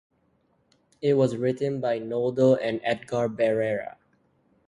It was written by Nodal and Edgar Barrera.